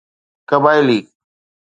قبائلي